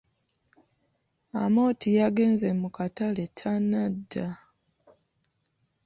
Amooti yagenze mu katale tanadda.